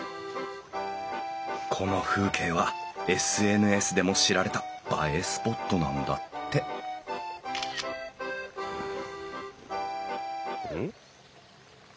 この風景はＳＮＳでも知られた映えスポットなんだってうん？